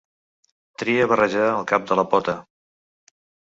Tria barrejar el cap de la pota.